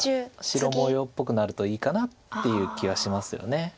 白模様っぽくなるといいかなっていう気はしますよね。